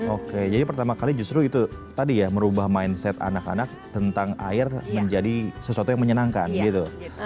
oke jadi pertama kali justru itu tadi ya merubah mindset anak anak tentang air menjadi sesuatu yang menyenangkan gitu